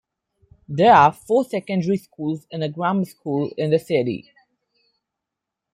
There are four secondary schools and a grammar school in the city.